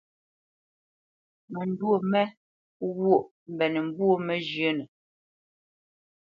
Məndwô mé ghwôʼ mbénə̄ mbwô məzhə́nə.